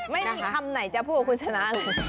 ไม่มีคำไหนจะพูดว่าคุณชนะ